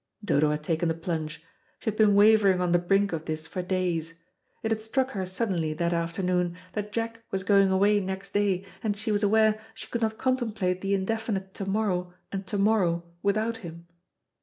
Dodo had taken the plunge. She had been wavering on the brink of this for days. It had struck her suddenly that afternoon that Jack was going away next day, and she was aware she could not contemplate the indefinite to morrow and to morrow without him.